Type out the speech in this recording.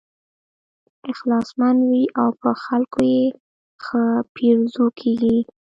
اخلاصمن وي او په خلکو یې ښه پیرزو کېږي.